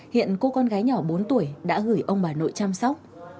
hiện cô con gái nhỏ bốn tuổi đã gửi ông bà nội chăm sóc